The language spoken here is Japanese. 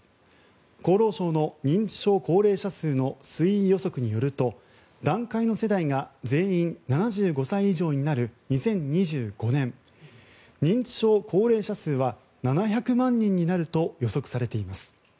厚労省の認知症高齢者数の推移予測によると、団塊の世代が全員７５歳以上になる２０２５年、認知症高齢者数は７００万人になると予測されています。